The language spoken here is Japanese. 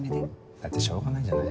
だってしょうがないじゃない。